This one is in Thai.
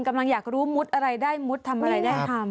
กำลังอยากรู้มุดอะไรได้มุดทำอะไรได้ทำ